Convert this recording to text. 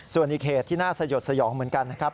ส่วนอีกเหตุที่น่าสยดสยองเหมือนกันนะครับ